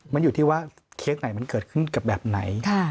มันอยู่ที่ว่าเคสไหนมันเกิดขึ้นกับแบบไหน